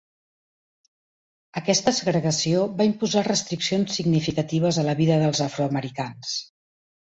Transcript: Aquesta segregació va imposar restriccions significatives a la vida dels afroamericans.